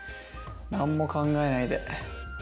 何も考えないで。